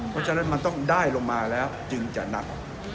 เพราะฉะนั้นมันต้องได้ลงมาแล้วจึงจะหนัก